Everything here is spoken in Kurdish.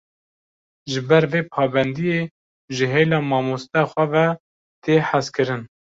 Ji ber vê pabendiyê, ji hêla mamoste xwe ve, tê hezkirin